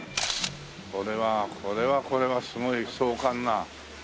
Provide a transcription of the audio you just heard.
これはこれはこれはすごい壮観な。